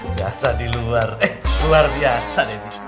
biasa di luar eh luar biasa device